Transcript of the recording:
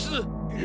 え？